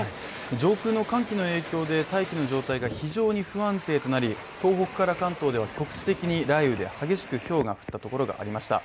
上空の寒気の影響で大気の状態が非常に不安定となり、東北から関東では局地的に雷雨で激しくひょうが降ったところがありました。